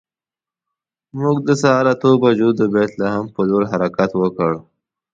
موږ د سهار اتو بجو د بیت لحم پر لور حرکت وکړ.